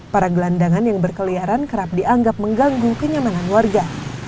para gelandangan yang berkeliaran kerap dianggap mengganggu kenyamanan warga